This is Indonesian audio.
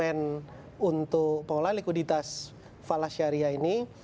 dengan instrumen untuk pengelolaan likuiditas falas syariah ini